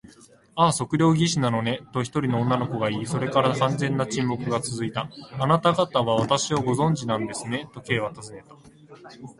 「ああ、測量技師なのね」と、一人の女の声がいい、それから完全な沈黙がつづいた。「あなたがたは私をご存じなんですね？」と、Ｋ はたずねた。